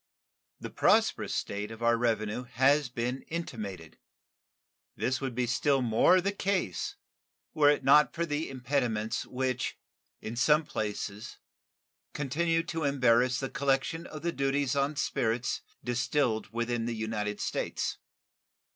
The prosperous state of our revenue has been intimated. This would be still more the case were it not for the impediments which in some places continue to embarrass the collection of the duties on spirits distilled within the United States.